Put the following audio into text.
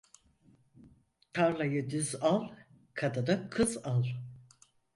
Tarlayı düz al, kadını kız al.